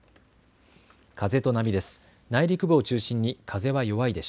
風と波です。